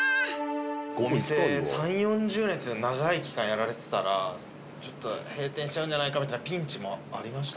お店３０４０年って長い期間やられてたら閉店しちゃうんじゃないかみたいなピンチもありましたか？